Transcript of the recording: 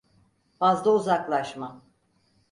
Fazla uzaklaşma.